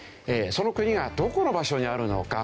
その国がどこの場所にあるのか？